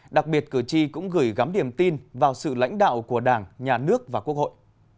đặc biệt cử tri cũng gửi gắm điểm tin vào sự lãnh đạo của đảng nhà nước và quốc hội